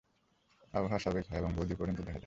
আবহাওয়া স্বাভাবিক হয় এবং বহুদূর পর্যন্ত দেখা যায়।